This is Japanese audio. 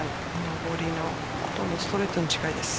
上りのほとんどストレートに近いです。